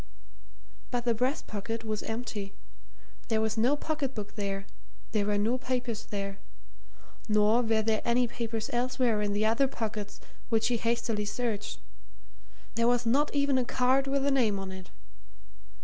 But the breast pocket was empty; there was no pocket book there; there were no papers there. Nor were there any papers elsewhere in the other pockets which he hastily searched: there was not even a card with a name on it.